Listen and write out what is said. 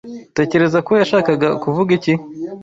Utekereza ko yashakaga kuvuga iki?